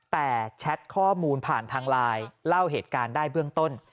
แต่แชทข้อมูลผ่านทางไลน์เล่าเหตุการณ์ได้เบื้องต้น